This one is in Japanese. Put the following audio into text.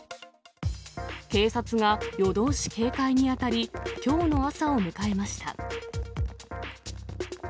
警察が夜通し警戒に当たり、きょうの朝を迎えました。